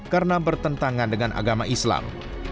karena bertentangan dengan agama islam